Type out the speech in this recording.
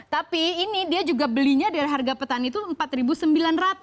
tapi ini dia juga belinya dari harga petani itu rp empat sembilan ratus